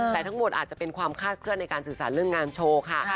แต่ทั้งหมดอาจจะเป็นความคาดเคลื่อนในการสื่อสารเรื่องงานโชว์ค่ะ